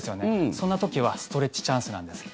そんな時はストレッチチャンスなんです。